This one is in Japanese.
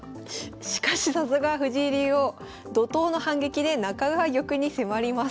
しかしさすが藤井竜王怒とうの反撃で中川玉に迫ります。